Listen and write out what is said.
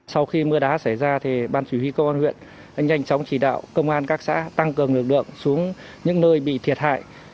sau khi mưa đá xảy ra ban chủ yếu công an huyện nhanh chóng chỉ đạo công an các xã tăng cường lực lượng xuống những nơi bị thiệt hại